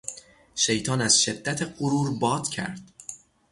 شیطان از شدت غرور باد کرد.